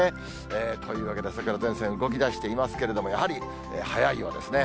というわけで、桜前線、動きだしていますけれども、やはり早いようですね。